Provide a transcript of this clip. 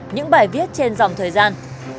những bài viết trên dòng thời gian